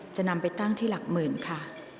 จะนำไปตั้งที่หลักหมื่นค่ะ